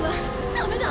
ダメだ！